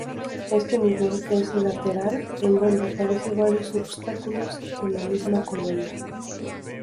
Este nivel es lateral, en donde aparece varios obstáculos de la misma colonia.